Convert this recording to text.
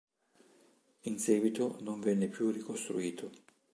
In seguito non venne più ricostruito.